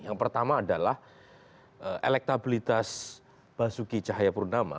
yang pertama adalah elektabilitas basuki cahayapurnama